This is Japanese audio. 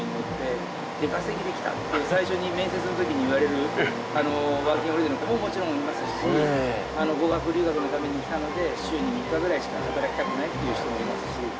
最初に面接の時に言われるワーキング・ホリデーの子ももちろんいますし語学留学のために来たので週に３日ぐらいしか働きたくないっていう人もいますし。